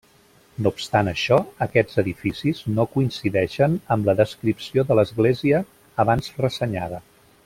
No obstant això, aquests edificis no coincideixen amb la descripció de l'església abans ressenyada.